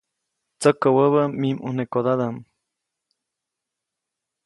Tsäkä wäbä mij ʼmunekodadaʼm.